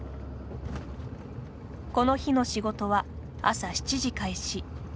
この日の仕事は朝７時開始。